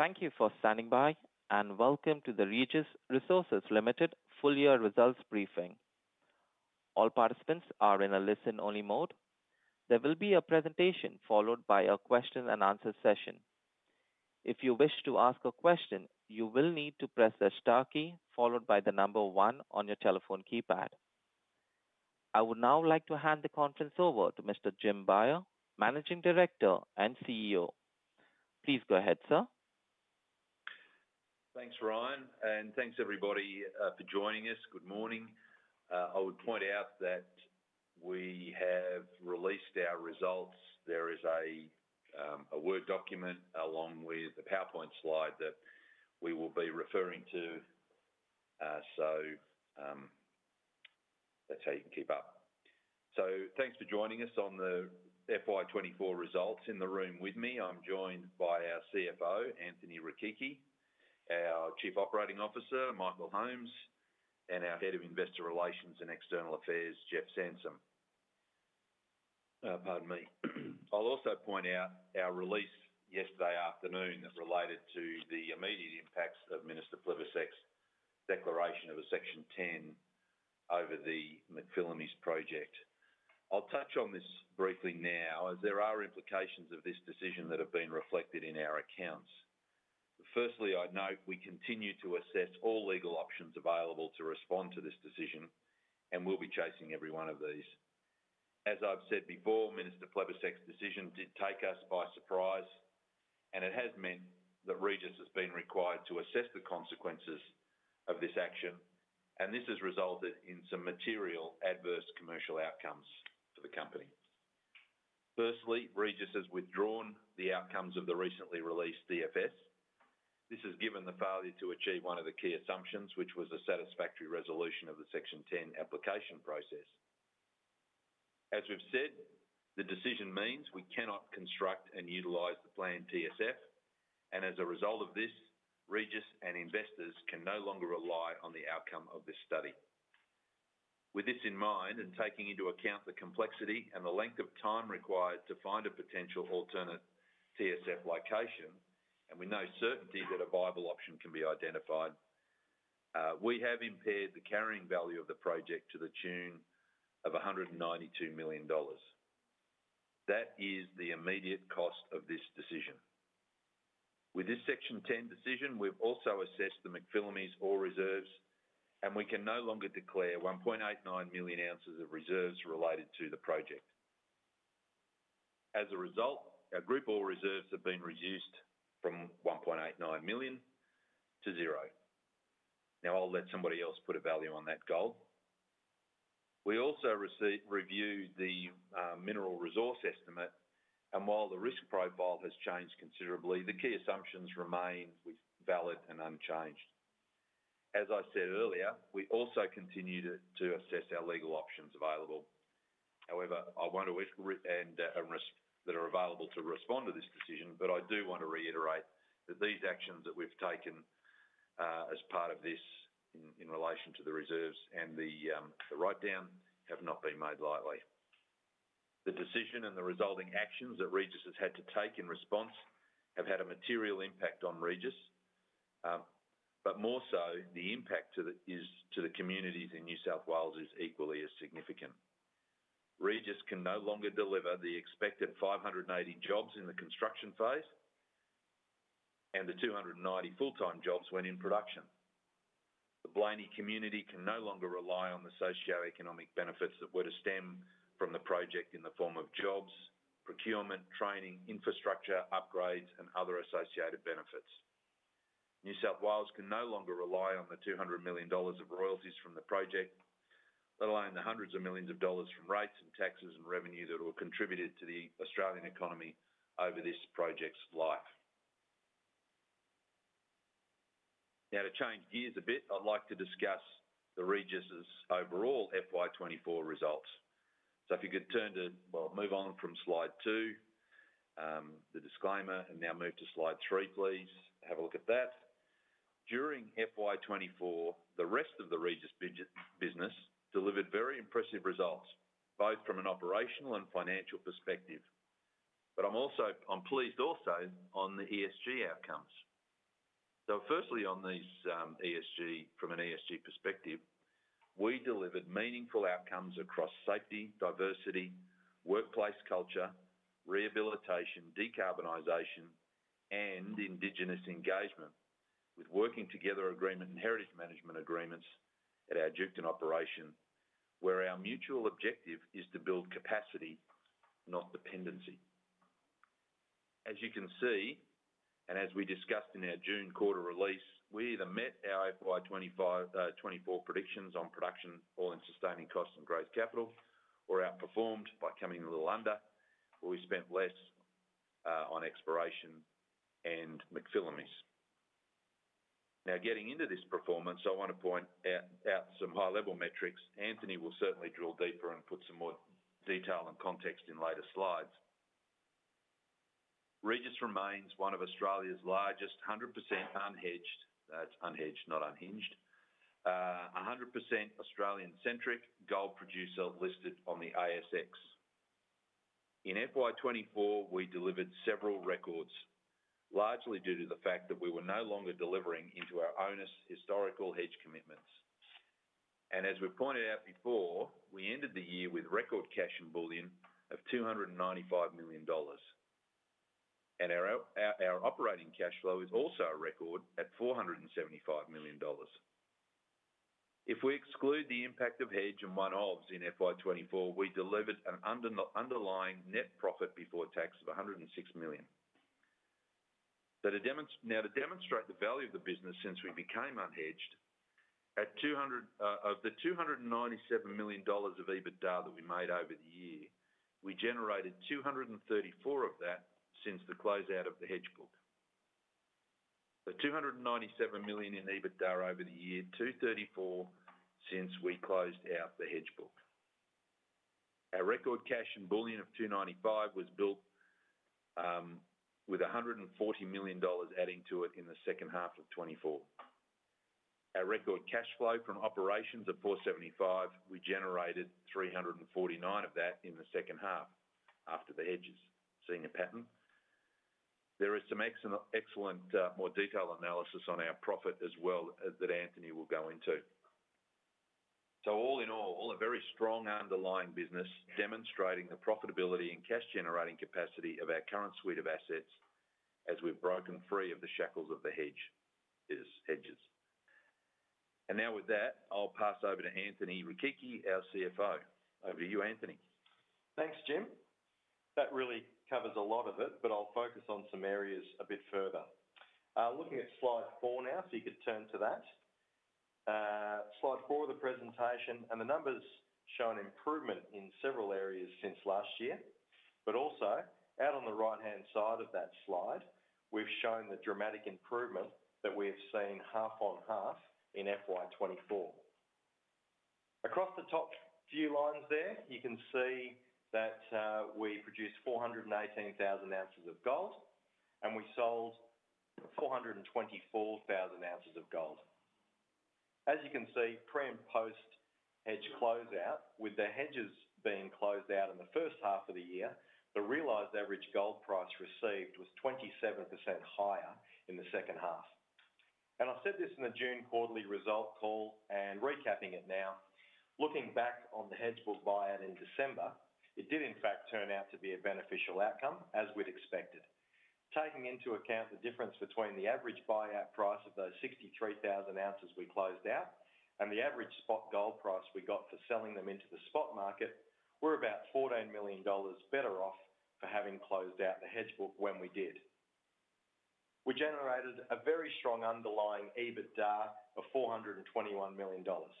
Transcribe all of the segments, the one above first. Thank you for standing by, and welcome to the Regis Resources Limited Full-Year Results Briefing. All participants are in a listen-only mode. There will be a presentation followed by a question-and-answer session. If you wish to ask a question, you will need to press the star key followed by the number one on your telephone keypad. I would now like to hand the conference over to Mr. Jim Beyer, Managing Director and CEO. Please go ahead, sir. Thanks, Ryan, and thanks everybody, for joining us. Good morning. I would point out that we have released our results. There is a, a Word document along with a PowerPoint slide that we will be referring to. So, that's how you can keep up. So thanks for joining us on the FY 2024 results. In the room with me, I'm joined by our CFO, Anthony Rechichi our Chief Operating Officer, Michael Holmes, and our Head of Investor Relations and External Affairs, Jeff Sansom. Pardon me. I'll also point out our release yesterday afternoon that related to the immediate impacts of Minister Plibersek's declaration of a Section 10 over the McPhillamys project. I'll touch on this briefly now, as there are implications of this decision that have been reflected in our accounts. Firstly, I'd note we continue to assess all legal options available to respond to this decision, and we'll be chasing every one of these. As I've said before, Minister Plibersek's decision did take us by surprise, and it has meant that Regis has been required to assess the consequences of this action, and this has resulted in some material adverse commercial outcomes for the company. Firstly, Regis has withdrawn the outcomes of the recently released DFS. This has given the failure to achieve one of the key assumptions, which was a satisfactory resolution of the Section 10 application process. As we've said, the decision means we cannot construct and utilize the planned TSF, and as a result of this, Regis and investors can no longer rely on the outcome of this study. With this in mind, and taking into account the complexity and the length of time required to find a potential alternate TSF location, and with no certainty that a viable option can be identified, we have impaired the carrying value of the project to the tune of 192 million dollars. That is the immediate cost of this decision. With this Section 10 decision, we've also assessed the McPhillamys ore reserves, and we can no longer declare 1.89 million ounces of reserves related to the project. As a result, our group ore reserves have been reduced from 1.89 million to zero. Now, I'll let somebody else put a value on that gold. We also reviewed the mineral resource estimate, and while the risk profile has changed considerably, the key assumptions remain valid and unchanged. As I said earlier, we also continue to assess our legal options available. However, I want to weigh risks that are available to respond to this decision, but I do want to reiterate that these actions that we've taken, as part of this in relation to the reserves and the writedown, have not been made lightly. The decision and the resulting actions that Regis has had to take in response have had a material impact on Regis. But more so, the impact to the communities in New South Wales is equally as significant. Regis can no longer deliver the expected 580 jobs in the construction phase, and the 290 full-time jobs when in production. The Blayney community can no longer rely on the socioeconomic benefits that were to stem from the project in the form of jobs, procurement, training, infrastructure, upgrades, and other associated benefits. New South Wales can no longer rely on the 200 million dollars of royalties from the project, let alone the hundreds of millions of dollars from rates and taxes and revenue that were contributed to the Australian economy over this project's life. Now, to change gears a bit, I'd like to discuss the Regis's overall FY 2024 results. So if you could turn to slide two. Well, move on from the disclaimer, and now move to slide three, please. Have a look at that. During FY 2024, the rest of the Regis business delivered very impressive results, both from an operational and financial perspective. But I'm also pleased also on the ESG outcomes. Firstly, on these, ESG, from an ESG perspective, we delivered meaningful outcomes across safety, diversity, workplace culture, rehabilitation, decarbonization, and Indigenous engagement, with Working Together Agreement and Heritage Management Agreements at our Duketon operation, where our mutual objective is to build capacity, not dependency. As you can see, and as we discussed in our June quarter release, we either met our FY 2024 predictions on production, all in sustaining costs and growth capital, or outperformed by coming in a little under, where we spent less on exploration and McPhillamys. Now, getting into this performance, I want to point out some high-level metrics. Anthony will certainly drill deeper and put some more detail and context in later slides. Regis remains one of Australia's largest 100% unhedged. It's unhedged, not unhinged. A 100% Australian-centric gold producer listed on the ASX. In FY 2024, we delivered several records, largely due to the fact that we were no longer delivering into our own historical hedge commitments. And as we've pointed out before, we ended the year with record cash and bullion of 295 million dollars. And our operating cash flow is also a record at 475 million dollars. If we exclude the impact of hedge and one-offs in FY 2024, we delivered an underlying net profit before tax of 106 million. So now, to demonstrate the value of the business since we became unhedged, the 297 million dollars of EBITDA that we made over the year, we generated 234 million of that since the closeout of the hedge book. The 297 million in EBITDA over the year, 234 million since we closed out the hedge book. Our record cash and bullion of 295 million was built with 140 million dollars adding to it in the second half of 2024. Our record cash flow from operations of 475 million, we generated 349 million of that in the second half after the hedges, seeing a pattern. There is some excellent more detailed analysis on our profit as well that Anthony will go into. So all in all, all a very strong underlying business, demonstrating the profitability and cash-generating capacity of our current suite of assets as we've broken free of the shackles of the hedges. And now, with that, I'll pass over to Anthony Rechichi, our CFO. Over to you, Anthony. Thanks, Jim. That really covers a lot of it, but I'll focus on some areas a bit further. Looking at slide four now, so you could turn to that. Slide four of the presentation, and the numbers show an improvement in several areas since last year, but also out on the right-hand side of that slide, we've shown the dramatic improvement that we've seen half-on-half in FY 2024. Across the top few lines there, you can see that, we produced 418,000 ounces of gold, and we sold 424,000 ounces of gold. As you can see, pre- and post-hedge closeout, with the hedges being closed out in the first half of the year, the realized average gold price received was 27% higher in the second half. I said this in the June quarterly result call, and recapping it now, looking back on the hedge book buyout in December, it did in fact turn out to be a beneficial outcome as we'd expected. Taking into account the difference between the average buyout price of those 63,000 ounces we closed out, and the average spot gold price we got for selling them into the spot market, we're about 14 million dollars better off for having closed out the hedge book when we did. We generated a very strong underlying EBITDA of 421 million dollars.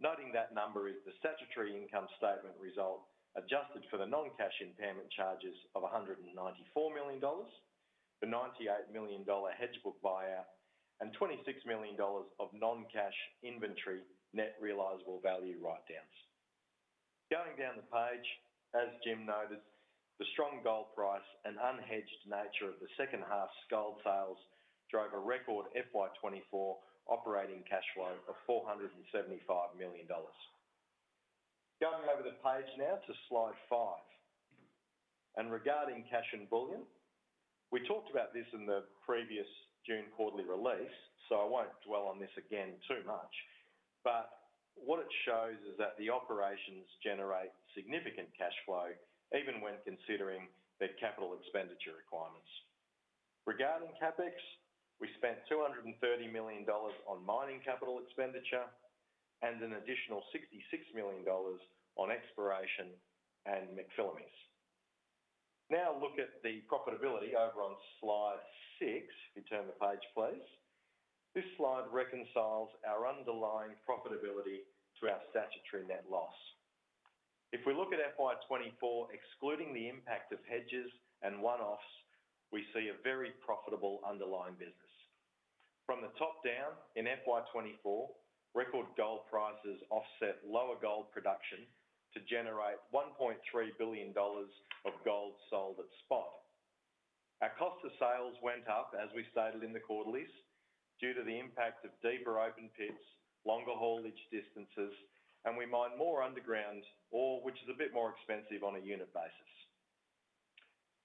Noting that number is the statutory income statement result, adjusted for the non-cash impairment charges of 194 million dollars, the 98 million dollar hedge book buyout, and 26 million dollars of non-cash inventory, net realizable value write-downs. Going down the page, as Jim noted, the strong gold price and unhedged nature of the second half's gold sales drove a record FY 2024 operating cash flow of 475 million dollars. Going over the page now to slide five, and regarding cash and bullion, we talked about this in the previous June quarterly release, so I won't dwell on this again too much, but what it shows is that the operations generate significant cash flow, even when considering their capital expenditure requirements. Regarding CapEx, we spent 230 million dollars on mining capital expenditure and an additional 66 million dollars on exploration and McPhillamys. Now, look at the profitability over on slide six. If you turn the page, please. This slide reconciles our underlying profitability to our statutory net loss. If we look at FY 2024, excluding the impact of hedges and one-offs, we see a very profitable underlying business. From the top down, in FY 2024, record gold prices offset lower gold production to generate 1.3 billion dollars of gold sold at spot. Our cost of sales went up, as we stated in the quarterly, due to the impact of deeper open pits, longer haulage distances, and we mined more underground, ore which is a bit more expensive on a unit basis.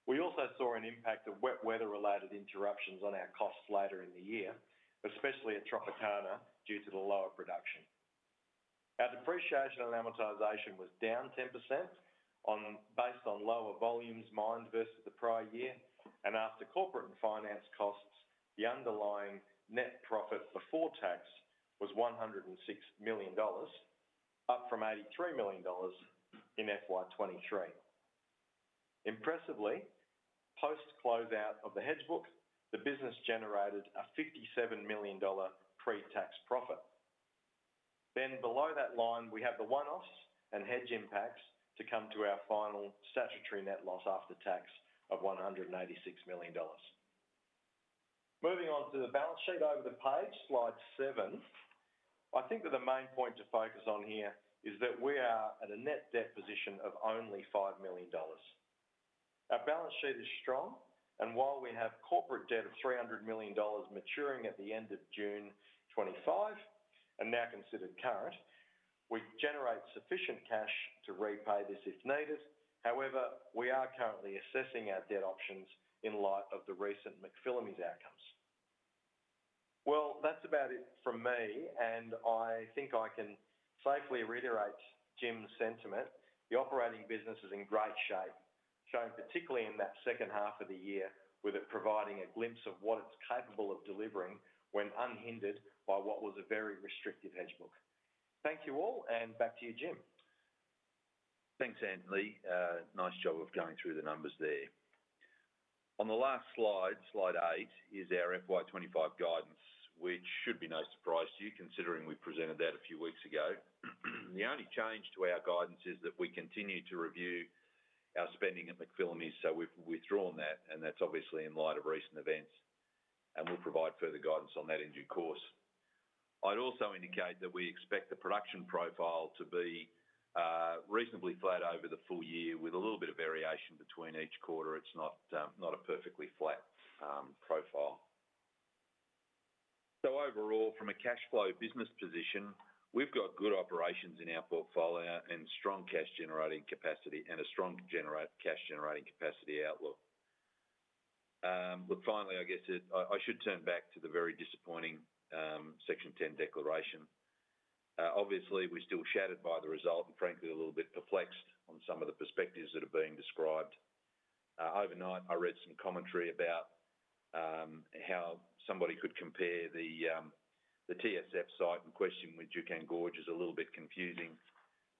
We also saw an impact of wet weather-related interruptions on our costs later in the year, especially at Tropicana, due to the lower production. Our depreciation and amortization was down 10% on, based on lower volumes mined versus the prior year, and after corporate and finance costs, the underlying net profit before tax was 106 million dollars, up from 83 million dollars in FY 2023. Impressively, post closeout of the hedge book, the business generated a 57 million dollar pre-tax profit. Then below that line, we have the one-offs and hedge impacts to come to our final statutory net loss after tax of 196 million dollars. Moving on to the balance sheet over the page, slide seven. I think that the main point to focus on here is that we are at a net debt position of only 5 million dollars. Our balance sheet is strong, and while we have corporate debt of 300 million dollars maturing at the end of June 2025, and now considered current, we generate sufficient cash to repay this if needed. However, we are currently assessing our debt options in light of the recent McPhillamys outcomes. Well, that's about it from me, and I think I can safely reiterate Jim's sentiment. The operating business is in great shape, shown particularly in that second half of the year, with it providing a glimpse of what it's capable of delivering when unhindered by what was a very restrictive hedge book. Thank you all, and back to you, Jim. Thanks, Anthony. Nice job of going through the numbers there. On the last slide, slide eight, is our FY 2025 guidance, which should be no surprise to you, considering we presented that a few weeks ago. The only change to our guidance is that we continue to review our spending at McPhillamys, so we've withdrawn that, and that's obviously in light of recent events, and we'll provide further guidance on that in due course. I'd also indicate that we expect the production profile to be reasonably flat over the full year, with a little bit of variation between each quarter. It's not not a perfectly flat profile. So overall, from a cash flow business position, we've got good operations in our portfolio and strong cash-generating capacity and a strong cash-generating capacity outlook. Look, finally, I guess it, I should turn back to the very disappointing Section 10 declaration. Obviously, we're still shattered by the result and frankly, a little bit perplexed on some of the perspectives that have been described. Overnight, I read some commentary about how somebody could compare the TSF site in question with Juukan Gorge is a little bit confusing.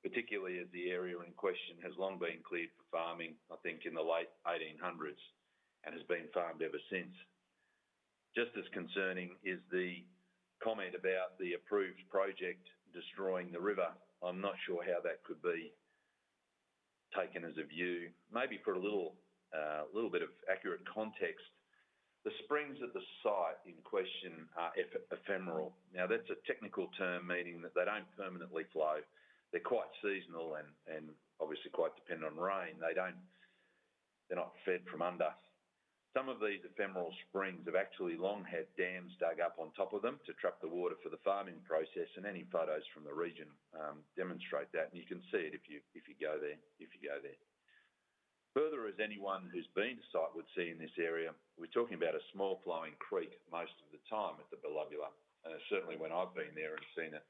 Particularly as the area in question has long been cleared for farming, I think in the late 1800s, and has been farmed ever since. Just as concerning is the comment about the approved project destroying the river. I'm not sure how that could be taken as a view. Maybe for a little bit of accurate context, the springs at the site in question are ephemeral. Now, that's a technical term, meaning that they don't permanently flow. They're quite seasonal and obviously quite dependent on rain. They don't. They're not fed from under. Some of these ephemeral springs have actually long had dams dug up on top of them to trap the water for the farming process, and any photos from the region demonstrate that, and you can see it if you go there. Further, as anyone who's been to site would see in this area, we're talking about a small flowing creek most of the time at the Belubula, and certainly when I've been there and seen it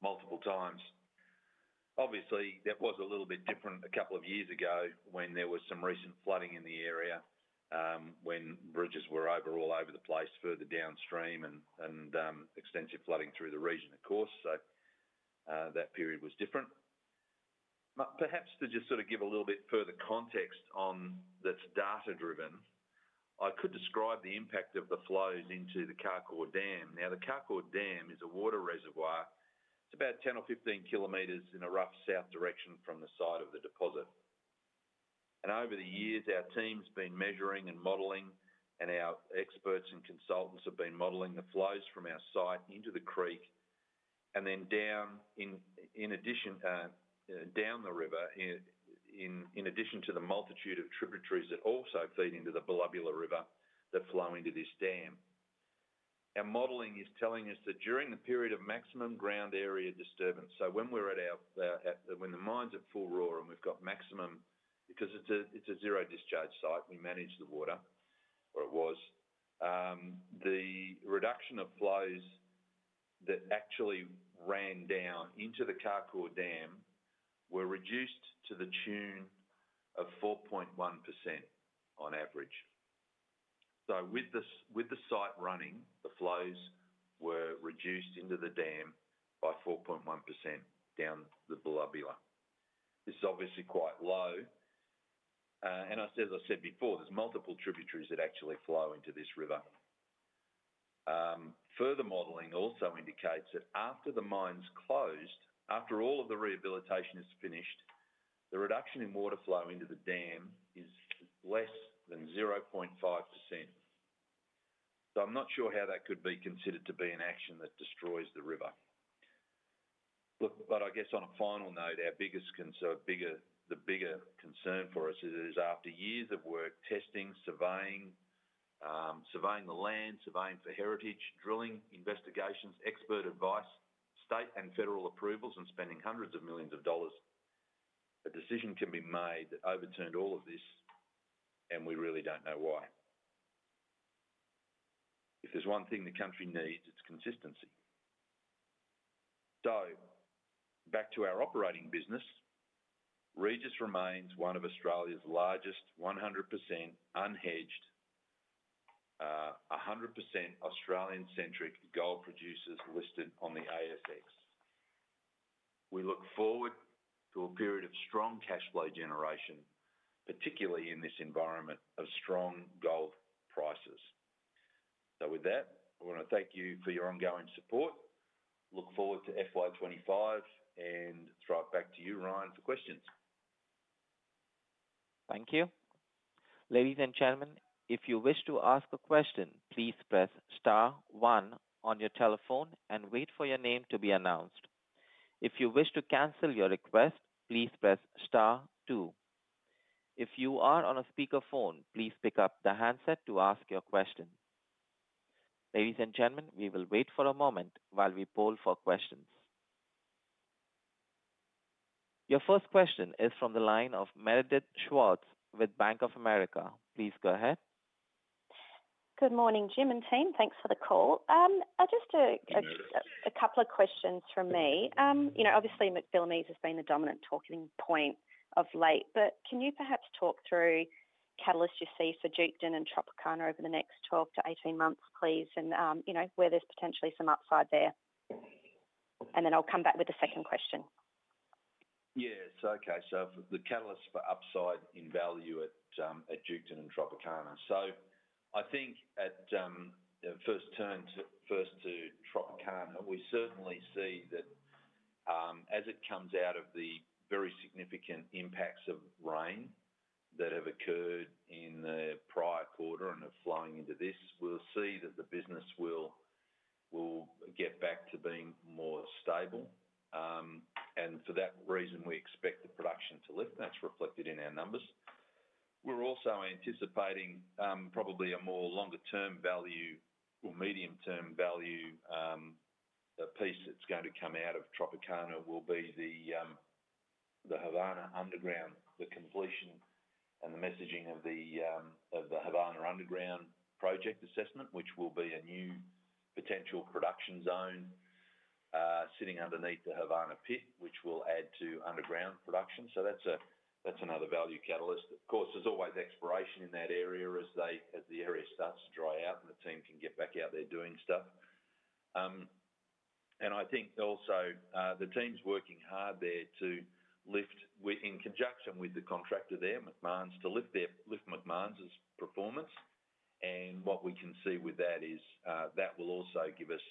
multiple times. Obviously, that was a little bit different a couple of years ago when there was some recent flooding in the area, when bridges were out all over the place further downstream and extensive flooding through the region, of course. So, that period was different. But perhaps to just sort of give a little bit further context on, that's data-driven, I could describe the impact of the flows into the Carcoar Dam. Now, the Carcoar Dam is a water reservoir. It's about 10 or 15 kilometers in a rough south direction from the site of the deposit. And over the years, our team's been measuring and modeling, and our experts and consultants have been modeling the flows from our site into the creek, and then down, in addition, down the river, in addition to the multitude of tributaries that also feed into the Belubula River, that flow into this dam. Our modeling is telling us that during the period of maximum ground area disturbance, so when the mine's at full roar and we've got maximum... Because it's a zero-discharge site, we manage the water, or it was. The reduction of flows that actually ran down into the Carcoar Dam were reduced to the tune of 4.1% on average. So with the site running, the flows were reduced into the dam by 4.1% down the Belubula. This is obviously quite low, and as I said before, there's multiple tributaries that actually flow into this river. Further modeling also indicates that after the mine's closed, after all of the rehabilitation is finished, the reduction in water flow into the dam is less than 0.5%. So I'm not sure how that could be considered to be an action that destroys the river. Look, but I guess on a final note, our biggest concern, the bigger concern for us is after years of work, testing, surveying the land, surveying for heritage, drilling, investigations, expert advice, state and federal approvals, and spending hundreds of millions of dollars, a decision can be made that overturned all of this, and we really don't know why. If there's one thing the country needs, it's consistency. Back to our operating business. Regis remains one of Australia's largest 100% unhedged, 100% Australian-centric gold producers listed on the ASX. We look forward to a period of strong cash flow generation, particularly in this environment of strong gold prices. With that, I wanna thank you for your ongoing support. Look forward to FY 2025, and throw it back to you, Ryan, for questions. Thank you.... Ladies and gentlemen, if you wish to ask a question, please press star one on your telephone and wait for your name to be announced. If you wish to cancel your request, please press star two. If you are on a speakerphone, please pick up the handset to ask your question. Ladies and gentlemen, we will wait for a moment while we poll for questions. Your first question is from the line of Meredith Schwarz with Bank of America. Please go ahead. Good morning, Jim and team. Thanks for the call. Just a couple of questions from me. You know, obviously, McPhillamys has been the dominant talking point of late, but can you perhaps talk through catalysts you see for Duketon and Tropicana over the next 12-18months, please, and, you know, where there's potentially some upside there? And then I'll come back with the second question. Yes. Okay. So the catalysts for upside in value at Duketon and Tropicana. I think first to Tropicana, we certainly see that as it comes out of the very significant impacts of rain that have occurred in the prior quarter and are flowing into this, we'll see that the business will get back to being more stable. And for that reason, we expect the production to lift, and that's reflected in our numbers. We're also anticipating probably a more longer-term value or medium-term value, a piece that's going to come out of Tropicana will be the Havana Underground, the completion and the messaging of the Havana Underground project assessment, which will be a new potential production zone sitting underneath the Havana pit, which will add to underground production. So that's a, that's another value catalyst. Of course, there's always exploration in that area as they, as the area starts to dry out and the team can get back out there doing stuff. And I think also, the team's working hard there to lift with, in conjunction with the contractor there, Macmahon, to lift their, lift Macmahon's performance. And what we can see with that is, that will also give us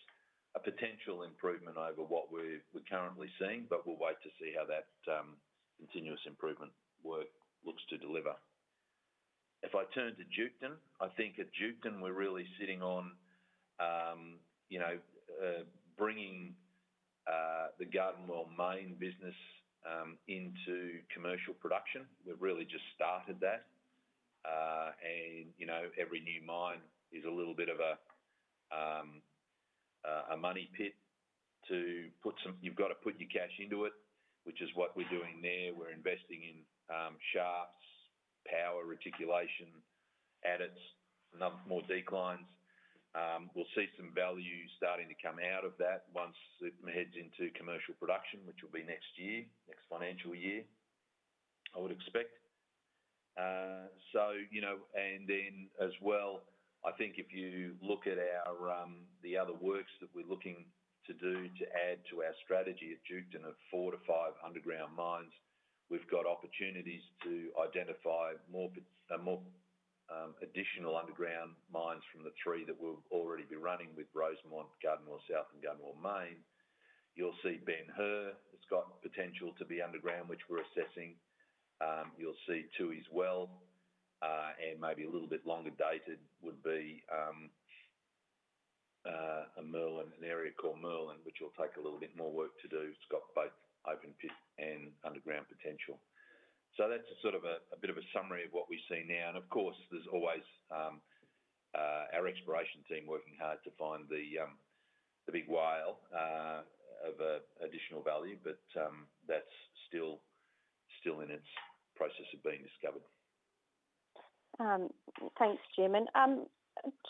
a potential improvement over what we're, we're currently seeing, but we'll wait to see how that, continuous improvement work looks to deliver. If I turn to Duketon, I think at Duketon, we're really sitting on, you know, bringing, the Garden Well main business, into commercial production. We've really just started that. And, you know, every new mine is a little bit of a, a money pit. You've got to put your cash into it, which is what we're doing there. We're investing in shafts, power, reticulation, adits, a number of more declines. We'll see some value starting to come out of that once it heads into commercial production, which will be next year, next financial year, I would expect. So, you know, and then as well, I think if you look at our the other works that we're looking to do to add to our strategy at Duketon of four to five underground mines, we've got opportunities to identify more additional underground mines from the three that we'll already be running with Rosemont, Garden Well South, and Garden Well Main. You'll see Ben Hur has got potential to be underground, which we're assessing. You'll see Tooheys Well, and maybe a little bit longer dated would be an area called Merlin, which will take a little bit more work to do. It's got both open pit and underground potential. So that's sort of a bit of a summary of what we see now. And of course, there's always our exploration team working hard to find the big whale of additional value, but that's still in its process of being discovered. Thanks, Jim. And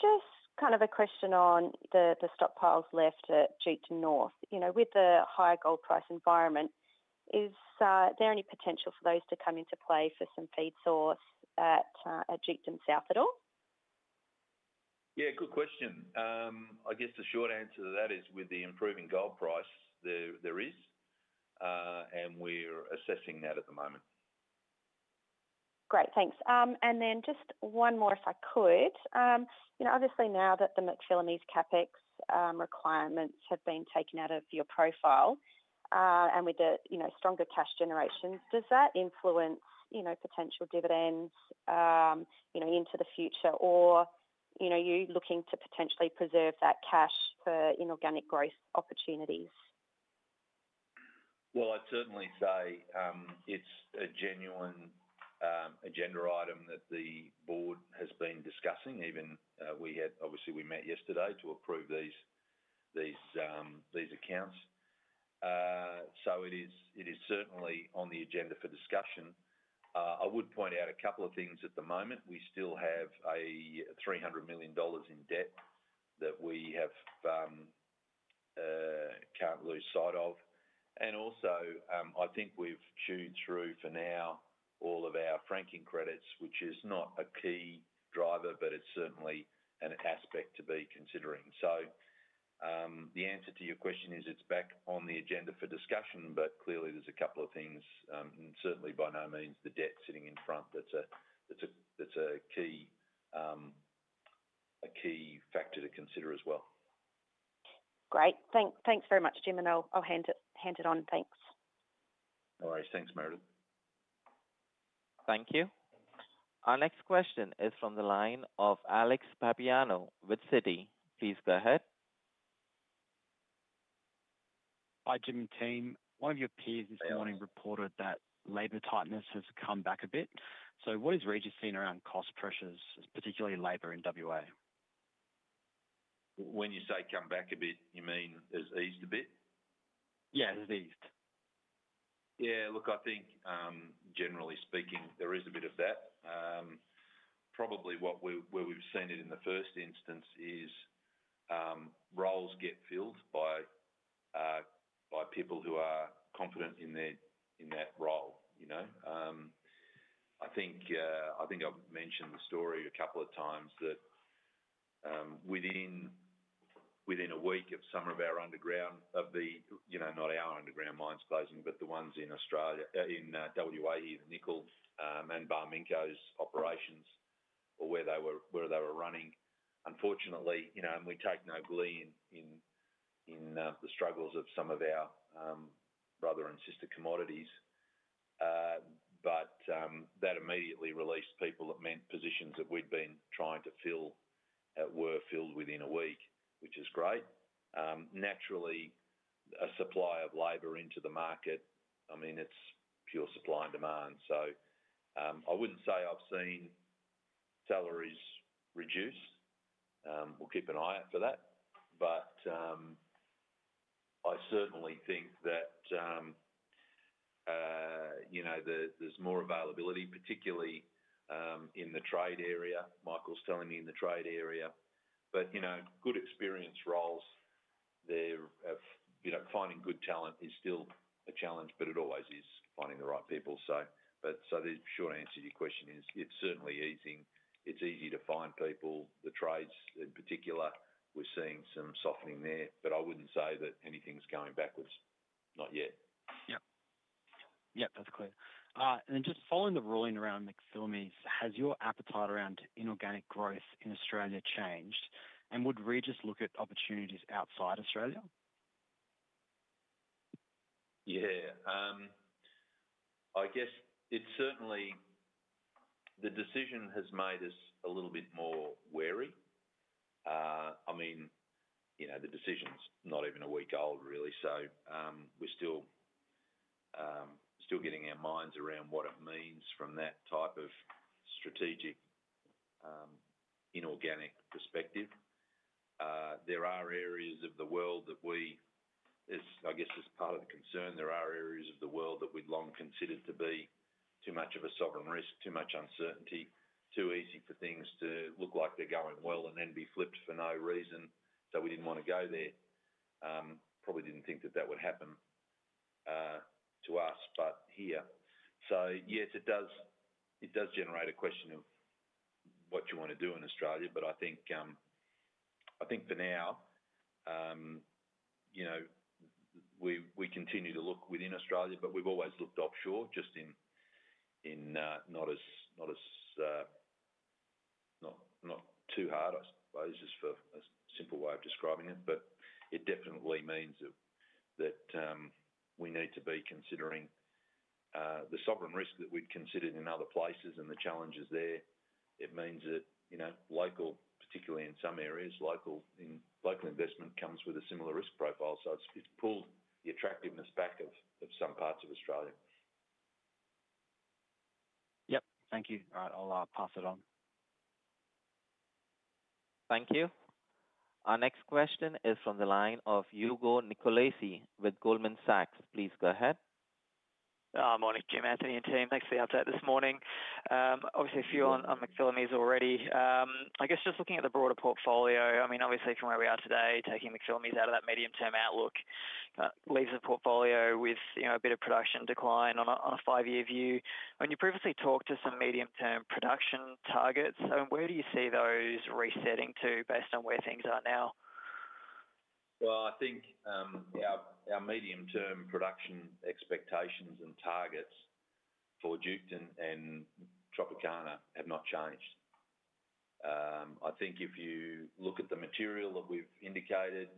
just kind of a question on the stock piles left at Duketon North. You know, with the high gold price environment, is there any potential for those to come into play for some feed source at Duketon South at all? Yeah, good question. I guess the short answer to that is, with the improving gold price, there is, and we're assessing that at the moment. Great, thanks. And then just one more, if I could. You know, obviously now that the McPhillamys CapEx requirements have been taken out of your profile, and with the, you know, stronger cash generations, does that influence, you know, potential dividends, you know, into the future? Or, you know, are you looking to potentially preserve that cash for inorganic growth opportunities? Well, I'd certainly say it's a genuine agenda item that the board has been discussing. Even we had obviously met yesterday to approve these accounts. So it is certainly on the agenda for discussion. I would point out a couple of things at the moment. We still have 300 million dollars in debt that we can't lose sight of. And also, I think we've chewed through, for now, all of our franking credits, which is not a key driver, but it's certainly an aspect to be considering. The answer to your question is, it's back on the agenda for discussion, but clearly there's a couple of things, and certainly by no means the debt sitting in front, that's a key factor to consider as well.... Great! Thanks very much, Jim, and I'll hand it on. Thanks. No worries. Thanks, Meredith. Thank you. Our next question is from the line of Alex Papaioannou with Citi. Please go ahead. Hi, Jim and team. Hey, Alex. One of your peers this morning reported that labor tightness has come back a bit. So what is Regis seeing around cost pressures, particularly labor in WA? When you say come back a bit, you mean has eased a bit? Yeah, it has eased. Yeah, look, I think, generally speaking, there is a bit of that. Probably what we, where we've seen it in the first instance is, roles get filled by people who are confident in their, in that role, you know? I think I've mentioned the story a couple of times that, within a week of some of our underground, of the, you know, not our underground mines closing, but the ones in Australia, in WA, the nickel and Barminco's operations, or where they were running. Unfortunately, you know, and we take no glee in the struggles of some of our brother and sister commodities. But that immediately released people that meant positions that we'd been trying to fill were filled within a week, which is great. Naturally, a supply of labor into the market, I mean, it's pure supply and demand. I wouldn't say I've seen salaries reduce. We'll keep an eye out for that. But I certainly think that, you know, there, there's more availability, particularly, in the trade area. Michael's telling me in the trade area. But, you know, good experience roles there. You know, finding good talent is still a challenge, but it always is, finding the right people. The short answer to your question is, it's certainly easing. It's easy to find people. The trades in particular, we're seeing some softening there, but I wouldn't say that anything's going backwards. Not yet. Yep. Yep, that's clear. And then just following the ruling around McPhillamys, has your appetite around inorganic growth in Australia changed? And would Regis look at opportunities outside Australia? Yeah. I guess it certainly... The decision has made us a little bit more wary. I mean, you know, the decision's not even a week old, really, so, we're still getting our minds around what it means from that type of strategic, inorganic perspective. There are areas of the world that this, I guess, is part of the concern, there are areas of the world that we'd long considered to be too much of a sovereign risk, too much uncertainty, too easy for things to look like they're going well and then be flipped for no reason. So we didn't want to go there. Probably didn't think that that would happen to us, but here. So yes, it does generate a question of what you want to do in Australia, but I think, I think for now, you know, we continue to look within Australia, but we've always looked offshore, just in, not as not too hard, I suppose, just for a simple way of describing it. But it definitely means that we need to be considering the sovereign risk that we'd considered in other places and the challenges there. It means that, you know, local, particularly in some areas, local investment comes with a similar risk profile. So it's pulled the attractiveness back of some parts of Australia. Yep. Thank you. All right, I'll pass it on. Thank you. Our next question is from the line of Hugo Nicolaci with Goldman Sachs. Please go ahead. Morning, Jim, Anthony and team. Thanks for the update this morning. Obviously, a few on McPhillamys already. I guess just looking at the broader portfolio, I mean, obviously from where we are today, taking McPhillamys out of that medium-term outlook, leaves the portfolio with, you know, a bit of production decline on a five-year view. When you previously talked to some medium-term production targets, where do you see those resetting to, based on where things are now? I think our medium-term production expectations and targets for Duketon and Tropicana have not changed. I think if you look at the material that we've indicated,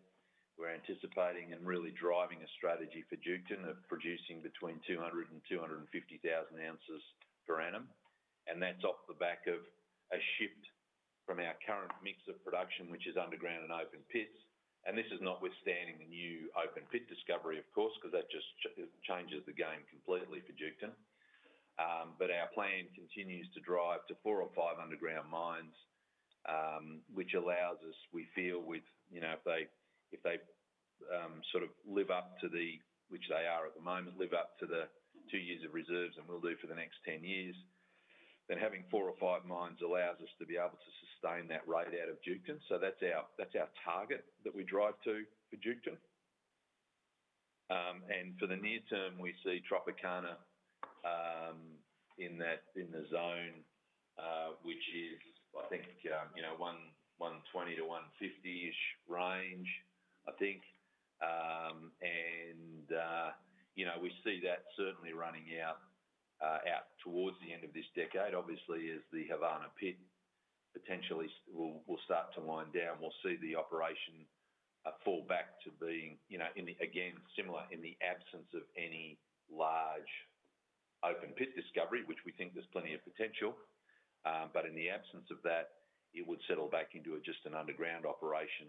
we're anticipating and really driving a strategy for Duketon of producing between 200,000-250,000 ounces per annum. And that's off the back of a shift from our current mix of production, which is underground and open pits. And this is notwithstanding the new open pit discovery, of course, because that just changes the game completely for Duketon. But our plan continues to drive to four or five underground mines, which allows us, we feel, with, you know, if they sort of live up to the which they are at the moment, live up to the two years of reserves, and will do for the next 10 years. Then having four or five mines allows us to be able to sustain that rate out of Duketon. So that's our, that's our target that we drive to for Duketon. And for the near term, we see Tropicana in that, in the zone, which is, I think, you know, 120-150-ish range, I think, and, you know, we see that certainly running out towards the end of this decade. Obviously, as the Havana pit potentially will start to wind down, we'll see the operation fall back to being, you know, in the, again, similar in the absence of any large open pit discovery, which we think there's plenty of potential. But in the absence of that, it would settle back into just an underground operation,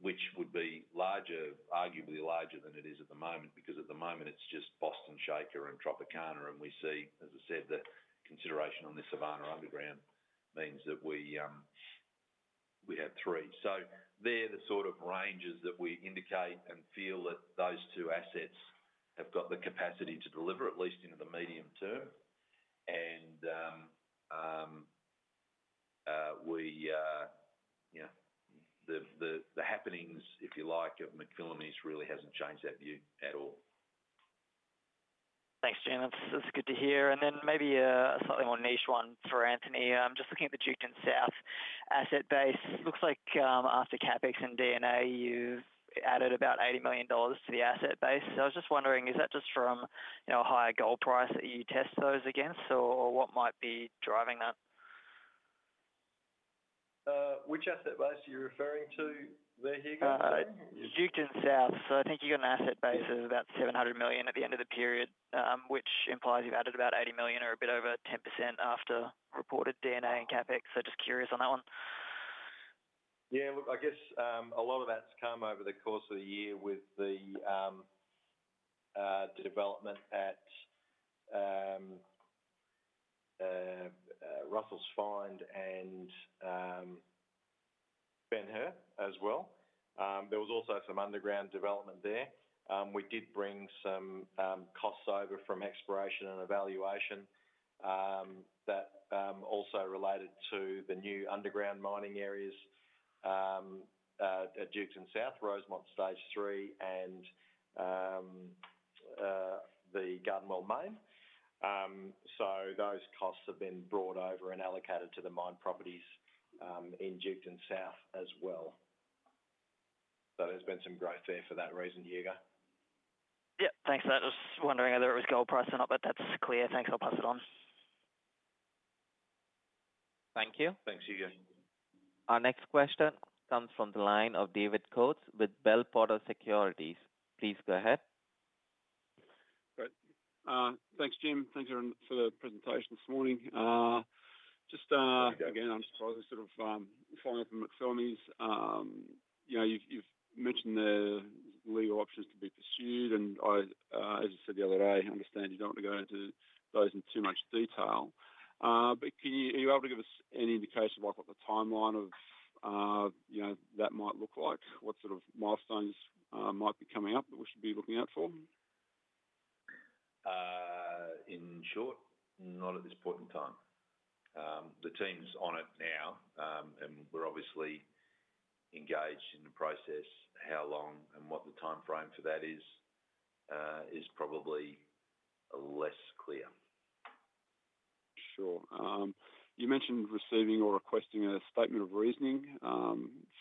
which would be larger, arguably larger than it is at the moment. Because at the moment it's just Boston Shaker and Tropicana, and we see, as I said, the consideration on this Havana underground means that we have three. So they're the sort of ranges that we indicate and feel that those two assets have got the capacity to deliver, at least into the medium term. And, you know, the happenings, if you like, of McPhillamys really hasn't changed that view at all. Thanks, Jim. That's good to hear. And then maybe a slightly more niche one for Anthony. Just looking at the Duketon South asset base. Looks like after CapEx and D&A, you've added about 80 million dollars to the asset base. So I was just wondering, is that just from, you know, a higher gold price that you test those against or what might be driving that? Which asset base are you referring to there, Hugo? Duketon South. So I think you've got an asset base of about 700 million at the end of the period, which implies you've added about 80 million or a bit over 10% after reported D&A and CapEx. So just curious on that one. Yeah, look, I guess, a lot of that's come over the course of the year with the, the development at, Russells Find and, Ben Hur as well. There was also some underground development there. We did bring some, costs over from exploration and evaluation, that, also related to the new underground mining areas, at, at Duketon South, Rosemont Stage III, and, the Garden Well Main. So those costs have been brought over and allocated to the mine properties, in Duketon South as well. So there's been some growth there for that reason, Hugo. Yeah, thanks for that. I was wondering whether it was gold price or not, but that's clear. Thanks, I'll pass it on. Thank you. Thanks, Hugo. Our next question comes from the line of David Coates with Bell Potter Securities. Please go ahead. Great. Thanks, Jim. Thanks, everyone, for the presentation this morning. Just, again, I'm just trying to sort of follow up on McPhillamys. You know, you've mentioned the legal options to be pursued, and I, as you said the other day, I understand you don't want to go into those in too much detail. But can you... Are you able to give us any indication of like what the timeline of, you know, that might look like? What sort of milestones might be coming up that we should be looking out for? In short, not at this point in time. The team's on it now, and we're obviously engaged in the process. How long and what the timeframe for that is is probably less clear. Sure. You mentioned receiving or requesting a statement of reasoning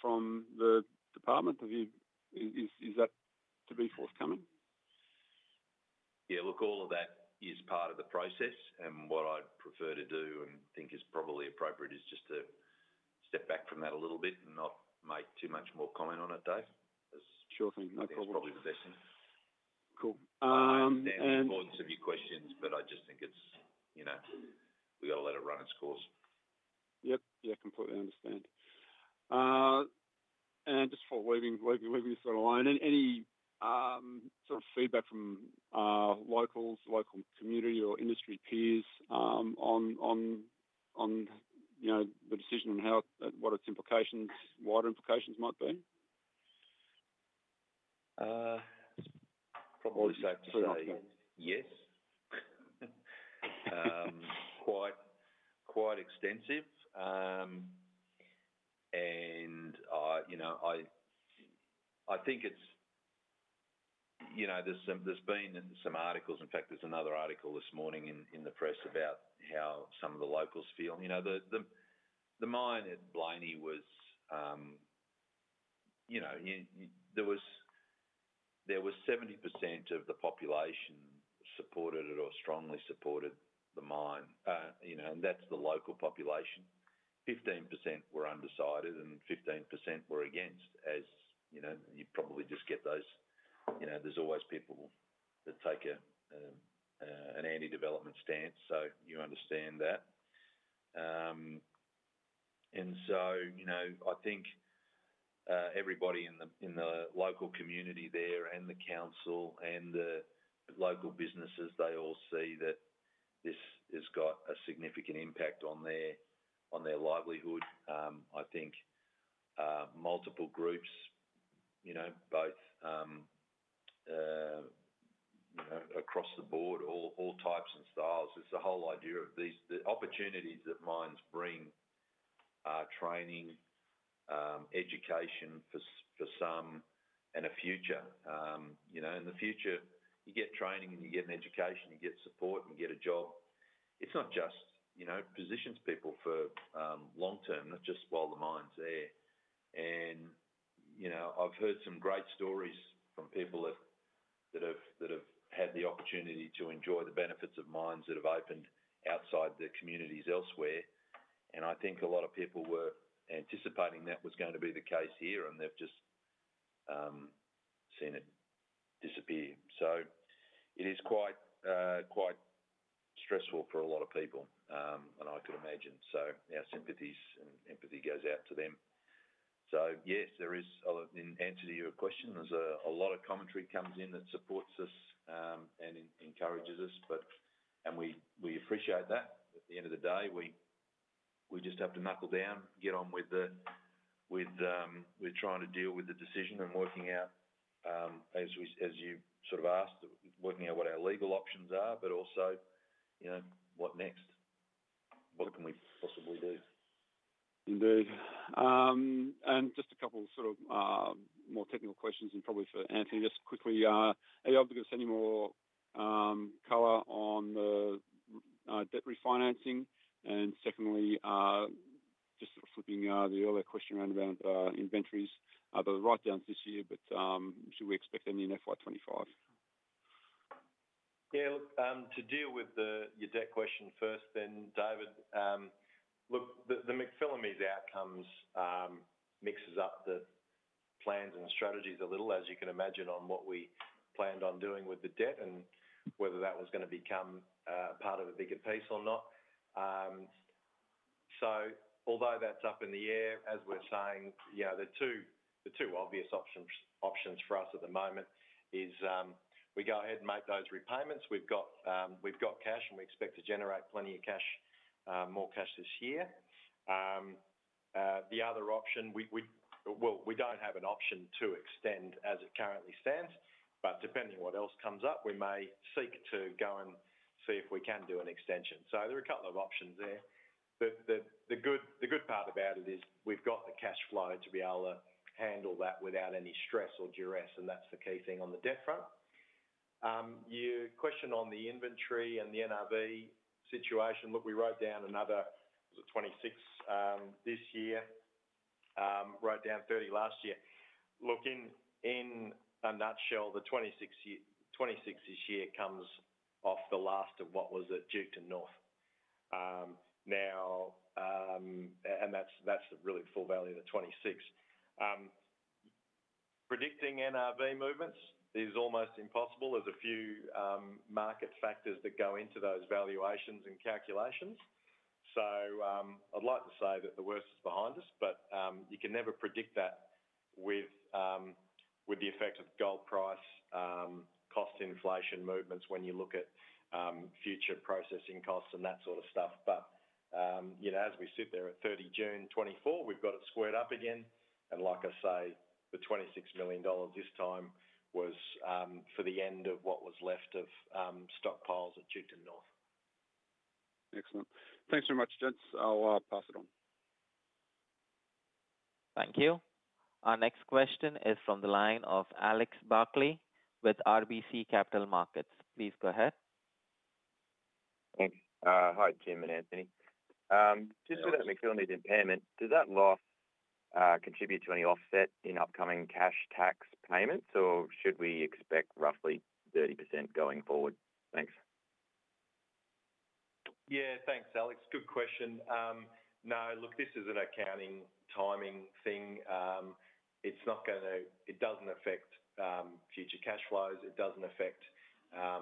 from the department. Have you – is that to be forthcoming? Yeah, look, all of that is part of the process, and what I'd prefer to do and think is probably appropriate is just to step back from that a little bit and not make too much more comment on it, Dave. Sure thing. No problem. It's probably the best thing. Cool. I understand the importance of your questions, but I just think it's, you know, we gotta let it run its course. Yep. Yeah, completely understand. And just for leaving this alone, any sort of feedback from locals, local community or industry peers, on you know, the decision and how what its implications, wider implications might be? Probably safe to say yes. Quite extensive. And you know, I think it's... You know, there's been some articles, in fact, there's another article this morning in the press about how some of the locals feel. You know, the mine at Blayney was, you know, there was 70% of the population supported it or strongly supported the mine. You know, and that's the local population. 15% were undecided, and 15% were against, as you know, you probably just get those. You know, there's always people that take an anti-development stance, so you understand that. And so, you know, I think everybody in the local community there, and the council, and the local businesses, they all see that this has got a significant impact on their livelihood. I think multiple groups, you know, both across the board, all types and styles, it's the whole idea of these, the opportunities that mines bring, training, education for some, and a future. You know, in the future, you get training and you get an education, you get support and you get a job.... It's not just, you know, positions people for long term, not just while the mine's there. And, you know, I've heard some great stories from people that have had the opportunity to enjoy the benefits of mines that have opened outside their communities elsewhere, and I think a lot of people were anticipating that was going to be the case here, and they've just seen it disappear. So it is quite quite stressful for a lot of people, and I could imagine. So our sympathies and empathy goes out to them. So yes, there is. In answer to your question, there's a lot of commentary comes in that supports us, and encourages us, but and we appreciate that. At the end of the day, we just have to knuckle down, get on with trying to deal with the decision and working out, as you sort of asked, working out what our legal options are, but also, you know, what next? What can we possibly do? Indeed. And just a couple sort of more technical questions, and probably for Anthony. Just quickly, are you able to give us any more color on the debt refinancing? And secondly, just flipping the earlier question around about inventories. Are there write-downs this year, but should we expect any in FY 2025? Yeah, look, to deal with your debt question first then, David. Look, the McPhillamys outcomes mixes up the plans and strategies a little, as you can imagine, on what we planned on doing with the debt and whether that was gonna become part of a bigger piece or not, so although that's up in the air, as we're saying, you know, the two obvious options for us at the moment is, we go ahead and make those repayments. We've got cash, and we expect to generate plenty of cash, more cash this year. The other option, well, we don't have an option to extend as it currently stands, but depending on what else comes up, we may seek to go and see if we can do an extension. There are a couple of options there. The good part about it is, we've got the cash flow to be able to handle that without any stress or duress, and that's the key thing on the debt front. Your question on the inventory and the NRV situation. Look, we wrote down another, was it 26 this year? Wrote down 30 last year. Look, in a nutshell, the 26 this year comes off the last of what was at Duketon North. Now, and that's the really full value of the 26. Predicting NRV movements is almost impossible. There's a few market factors that go into those valuations and calculations. So, I'd like to say that the worst is behind us, but you can never predict that with the effect of gold price, cost inflation movements when you look at future processing costs and that sort of stuff. But you know, as we sit there at 30 June 2024, we've got it squared up again. And like I say, the 26 million dollars this time was for the end of what was left of stockpiles at Duketon North. Excellent. Thanks very much, gents. I'll pass it on. Thank you. Our next question is from the line of Alex Barclay with RBC Capital Markets. Please go ahead. Thanks. Hi, Jim and Anthony. Hello.... with that McPhillamys impairment, does that loss contribute to any offset in upcoming cash tax payments, or should we expect roughly 30% going forward? Thanks. Yeah. Thanks, Alex. Good question. No, look, this is an accounting timing thing. It's not gonna. It doesn't affect future cash flows. It doesn't affect our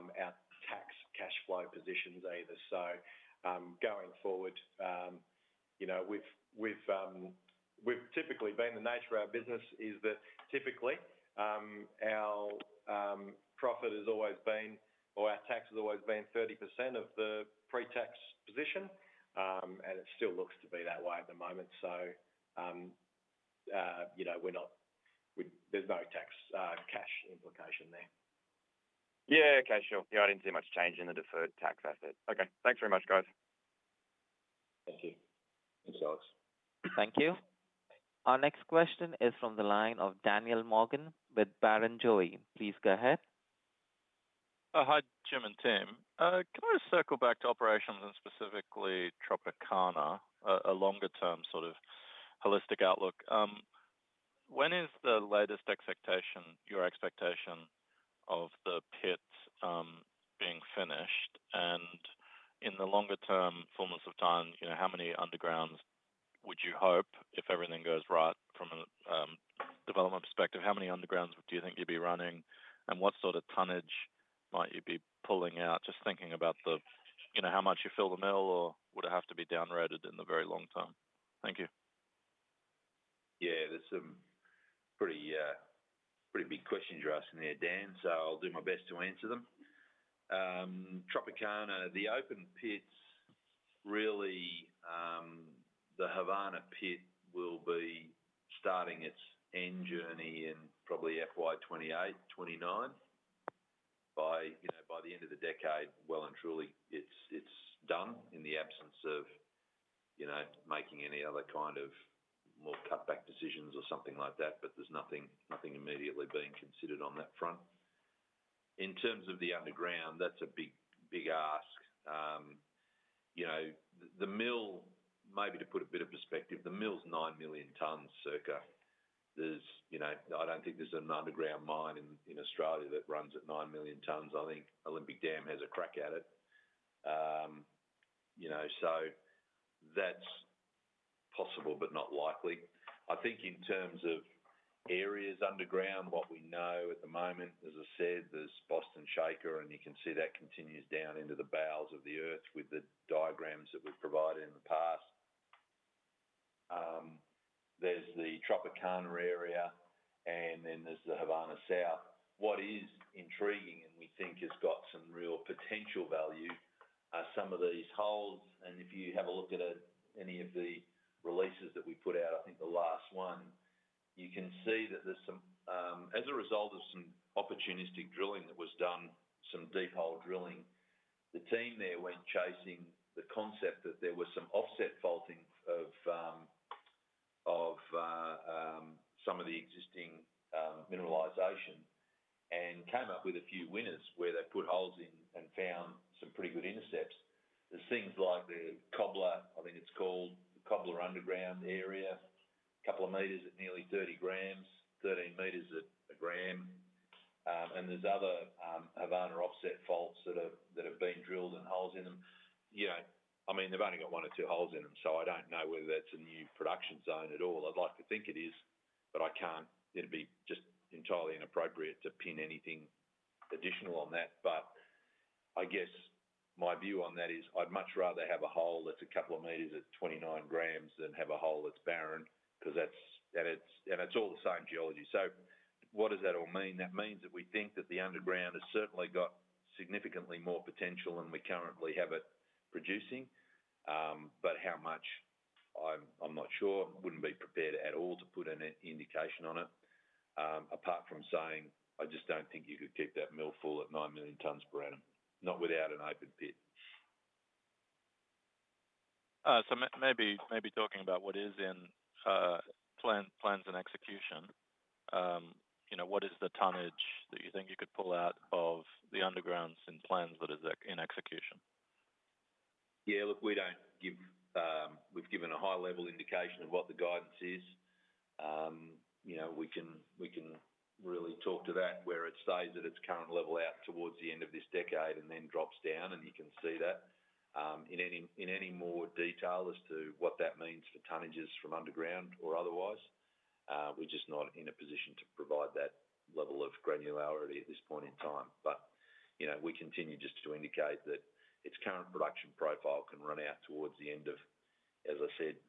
tax cash flow positions either. So, going forward, you know, we've typically been the nature of our business is that typically our profit has always been, or our tax has always been 30% of the pre-tax position, and it still looks to be that way at the moment. So, you know, there's no tax cash implication there. Yeah, okay. Sure. Yeah, I didn't see much change in the deferred tax asset. Okay, thanks very much, guys. Thank you. Thanks, Alex. Thank you. Our next question is from the line of Daniel Morgan with Barrenjoey. Please go ahead. Hi, Jim and Tim. Can I just circle back to operations and specifically Tropicana, a longer term sort of holistic outlook? When is the latest expectation, your expectation of the pit being finished? And in the longer term fullness of time, you know, how many undergrounds would you hope, if everything goes right from a development perspective, how many undergrounds do you think you'd be running, and what sort of tonnage might you be pulling out? Just thinking about the, you know, how much you fill the mill, or would it have to be down rated in the very long term? Thank you. Yeah, there's some pretty, pretty big questions you're asking there, Dan, so I'll do my best to answer them. Tropicana, the open pits, really, the Havana pit will be starting its end journey in probably FY 2028, 2029. By, you know, by the end of the decade, well, and truly it's done in the absence of-... you know, making any other kind of more cutback decisions or something like that, but there's nothing, nothing immediately being considered on that front. In terms of the underground, that's a big, big ask. You know, the mill, maybe to put a bit of perspective, the mill's nine million tons, circa. There's, you know, I don't think there's an underground mine in Australia that runs at nine million tons. I think Olympic Dam has a crack at it. You know, so that's possible, but not likely. I think in terms of areas underground, what we know at the moment, as I said, there's Boston Shaker, and you can see that continues down into the bowels of the earth with the diagrams that we've provided in the past. There's the Tropicana area, and then there's the Havana South. What is intriguing, and we think has got some real potential value, are some of these holes, and if you have a look at any of the releases that we put out, I think the last one, you can see that there's some. As a result of some opportunistic drilling that was done, some deep hole drilling, the team there went chasing the concept that there was some offset faulting of some of the existing mineralization, and came up with a few winners where they put holes in and found some pretty good intercepts. There's things like the Cobbler, I think it's called, the Cobbler underground area, a couple of meters at nearly 30 grams, 13 meters at 1 gram, and there's other Havana offset faults that have been drilled, and holes in them. You know, I mean, they've only got one or two holes in them, so I don't know whether that's a new production zone at all. I'd like to think it is, but I can't. It'd be just entirely inappropriate to pin anything additional on that. But I guess my view on that is, I'd much rather have a hole that's a couple of meters at 29 grams than have a hole that's barren, 'cause that's, and it's all the same geology. So what does that all mean? That means that we think that the underground has certainly got significantly more potential than we currently have it producing. But how much? I'm not sure. Wouldn't be prepared at all to put an indication on it, apart from saying, I just don't think you could keep that mill full at nine million tons per annum, not without an open pit. So maybe talking about what is in plans and execution, you know, what is the tonnage that you think you could pull out of the undergrounds in plans that is in execution? Yeah, look, we don't give. We've given a high-level indication of what the guidance is. You know, we can really talk to that, where it stays at its current level out towards the end of this decade and then drops down, and you can see that. In any more detail as to what that means for tonnages from underground or otherwise, we're just not in a position to provide that level of granularity at this point in time. But, you know, we continue just to indicate that its current production profile can run out towards the end of, as I said,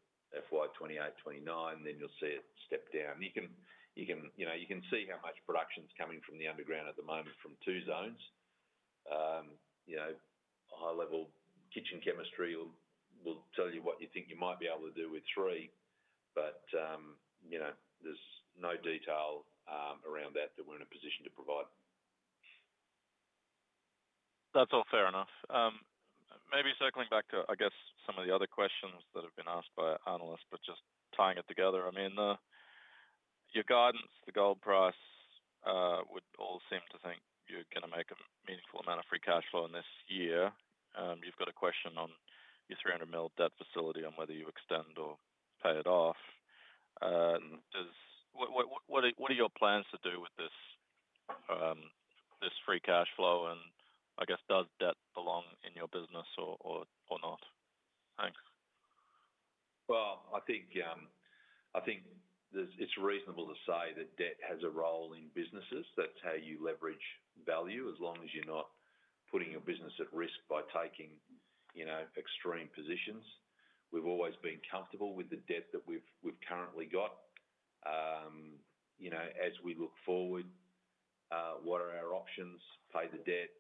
FY 2028, 2029, then you'll see it step down. You can, you know, you can see how much production's coming from the underground at the moment from two zones. You know, a high-level kitchen chemistry will tell you what you think you might be able to do with three, but you know, there's no detail around that that we're in a position to provide. That's all fair enough. Maybe circling back to, I guess, some of the other questions that have been asked by our analysts, but just tying it together. I mean, your guidance, the gold price, would all seem to think you're gonna make a meaningful amount of free cash flow in this year. You've got a question on your three hundred mil debt facility on whether you extend or pay it off. What are your plans to do with this free cash flow? And I guess, does debt belong in your business or not? Thanks. I think it's reasonable to say that debt has a role in businesses. That's how you leverage value, as long as you're not putting your business at risk by taking, you know, extreme positions. We've always been comfortable with the debt that we've currently got. You know, as we look forward, what are our options? Pay the debt,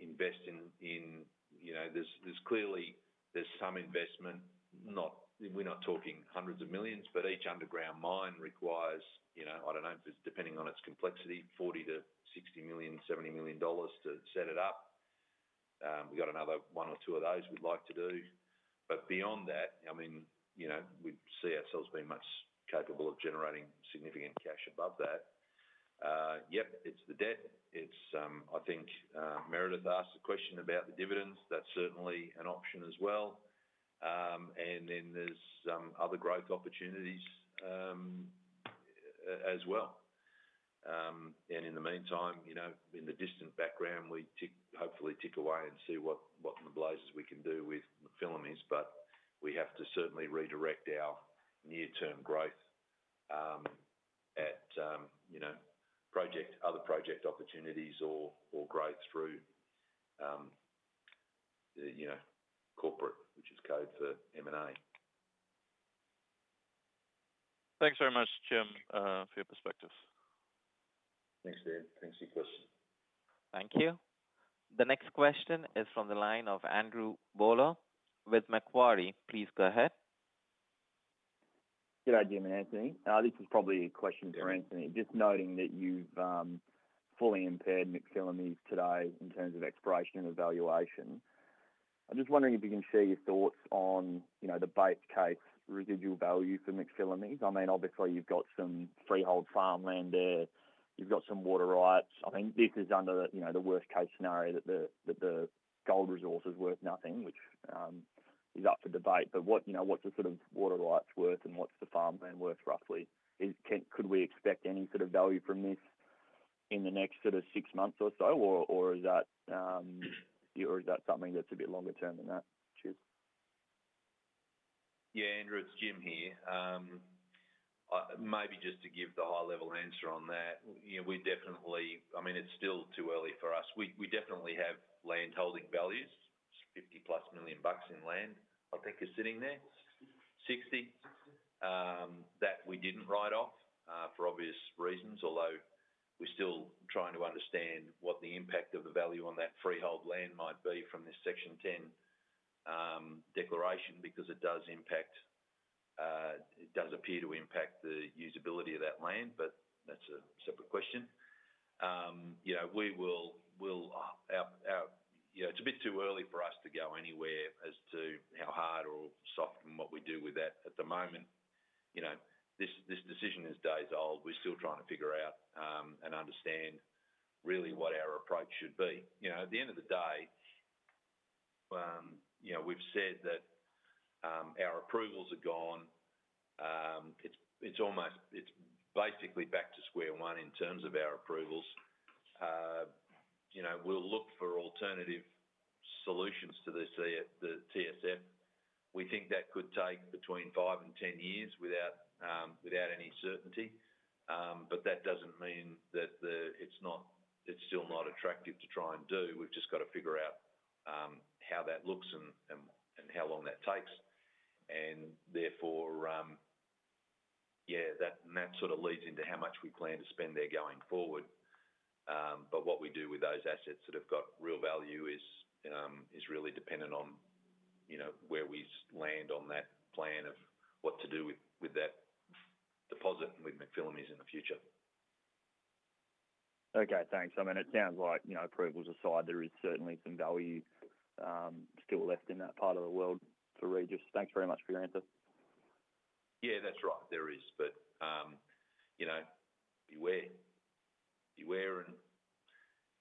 invest in, you know, there's clearly some investment, not... We're not talking hundreds of millions, but each underground mine requires, you know, I don't know, depending on its complexity, 40 million-60 million, 70 million dollars to set it up. We got another one or two of those we'd like to do. But beyond that, I mean, you know, we see ourselves being much capable of generating significant cash above that. Yep, it's the debt. It's, I think, Meredith asked a question about the dividends. That's certainly an option as well, and then there's some other growth opportunities, as well, and in the meantime, you know, in the distant background, we hopefully tick away and see what in the blazes we can do with the McPhillamys, but we have to certainly redirect our near-term growth, at, you know, other project opportunities or growth through, the, you know, corporate, which is code for M&A. Thanks very much, Jim, for your perspectives. Thanks, Dave. Thanks for your question. Thank you. The next question is from the line of Andrew Bowler with Macquarie. Please go ahead. ... Good day, Jim and Anthony. This is probably a question for Anthony. Just noting that you've fully impaired McPhillamys today in terms of exploration and evaluation. I'm just wondering if you can share your thoughts on, you know, the base case, residual value for McPhillamys. I mean, obviously, you've got some freehold farmland there. You've got some water rights. I think this is under the, you know, the worst-case scenario that the gold resource is worth nothing, which is up for debate. But what, you know, what's the sort of water rights worth and what's the farmland worth, roughly? Could we expect any sort of value from this in the next sort of six months or so? Or is that something that's a bit longer term than that? Cheers. Yeah, Andrew, it's Jim here. Maybe just to give the high-level answer on that. You know, we definitely... I mean, it's still too early for us. We definitely have land holding values. 50-plus million bucks in land, I think, is sitting there. 60 million that we didn't write off for obvious reasons. Although, we're still trying to understand what the impact of the value on that freehold land might be from this Section 10 declaration, because it does impact, it does appear to impact the usability of that land, but that's a separate question. You know, we will our... You know, it's a bit too early for us to go anywhere as to how hard or soft and what we do with that at the moment. You know, this decision is days old. We're still trying to figure out and understand really what our approach should be. You know, at the end of the day, you know, we've said that our approvals are gone. It's almost, it's basically back to square one in terms of our approvals. You know, we'll look for alternative solutions to this, the TSF. We think that could take between five and 10 years without any certainty. But that doesn't mean that it's not still attractive to try and do. We've just got to figure out how that looks and how long that takes. And therefore, yeah, that sort of leads into how much we plan to spend there going forward. But what we do with those assets that have got real value is really dependent on, you know, where we land on that plan of what to do with that deposit with McPhillamys in the future. Okay, thanks. I mean, it sounds like, you know, approvals aside, there is certainly some value, still left in that part of the world for Regis. Thanks very much for your answer. Yeah, that's right. There is, but, you know, beware. Beware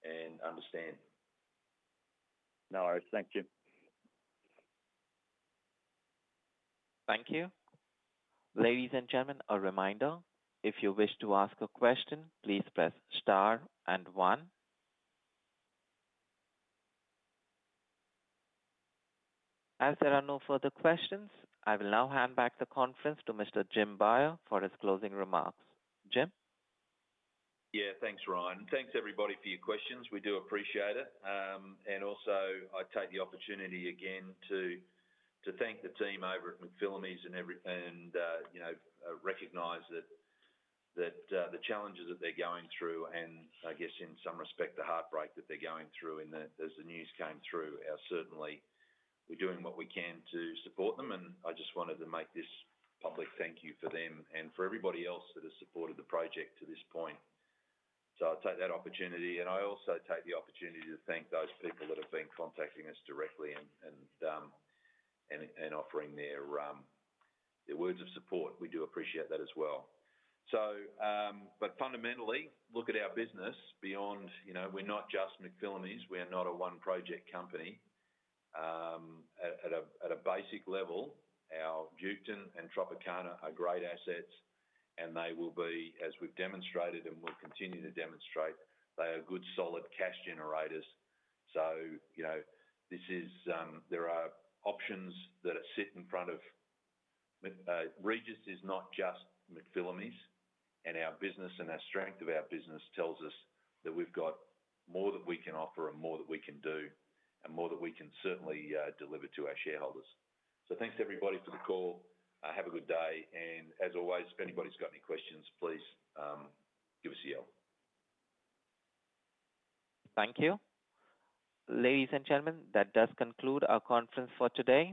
and understand. No worries. Thank you. Thank you. Ladies and gentlemen, a reminder, if you wish to ask a question, please press star and one. As there are no further questions, I will now hand back the conference to Mr. Jim Beyer for his closing remarks. Jim? Yeah, thanks, Ryan. Thanks, everybody, for your questions. We do appreciate it. And also, I take the opportunity again to thank the team over at McPhillamys and, you know, recognize that the challenges that they're going through, and I guess in some respect, the heartbreak that they're going through and the, as the news came through, are certainly. We're doing what we can to support them, and I just wanted to make this public thank you for them and for everybody else that has supported the project to this point. So I take that opportunity, and I also take the opportunity to thank those people that have been contacting us directly and offering their words of support. We do appreciate that as well. So, but fundamentally, look at our business beyond, you know, we're not just McPhillamys. We are not a one-project company. At a basic level, our Duketon and Tropicana are great assets, and they will be, as we've demonstrated and will continue to demonstrate, they are good, solid cash generators. So, you know, this is, there are options that are sit in front of, Regis is not just McPhillamys, and our business and our strength of our business tells us that we've got more that we can offer and more that we can do, and more that we can certainly, deliver to our shareholders. So thanks, everybody, for the call. Have a good day, and as always, if anybody's got any questions, please, give us a yell. Thank you. Ladies and gentlemen, that does conclude our conference for today.